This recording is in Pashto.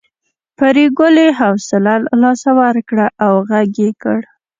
پريګلې حوصله له لاسه ورکړه او غږ یې کړ